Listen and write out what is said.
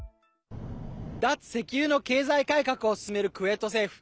脱石油の経済改革を進めるクウェート政府。